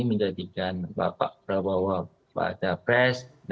saat ini bapak prabowo dan jokowi